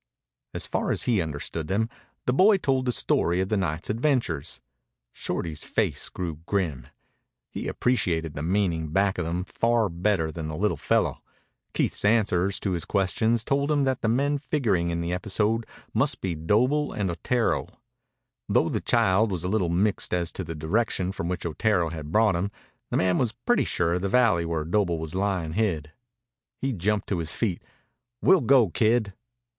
As far as he understood them, the boy told the story of the night's adventures. Shorty's face grew grim. He appreciated the meaning back of them far better than the little fellow. Keith's answers to his questions told him that the men figuring in the episode must be Doble and Otero. Though the child was a little mixed as to the direction from which Otero had brought him, the man was pretty sure of the valley where Doble was lying hid. He jumped to his feet. "We'll go, kid."